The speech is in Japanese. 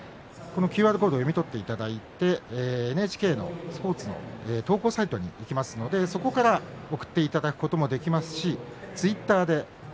ＱＲコードを読み込んでいただいてＮＨＫのスポーツの投稿サイトにいきますのでそこから送っていただくこともできますしツイッターで＃